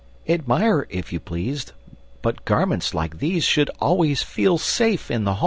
Admire, if you please, But garments like these Should always feel safe in the hall!